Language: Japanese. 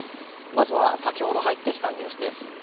まずは先ほど入ってきたニュースです。